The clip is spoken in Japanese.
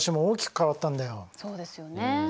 そうですよね。